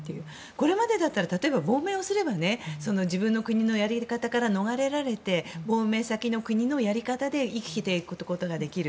これまでなら例えば亡命すれば自分の国のやり方から逃れられて亡命先の国のやり方で生きていくことができる。